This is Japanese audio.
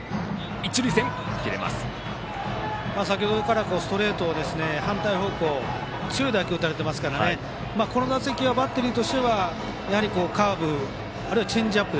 先程からストレートを反対方向に強い打球を打たれているのでこの打席、バッテリーはやはりカーブ、あるいはチェンジアップ。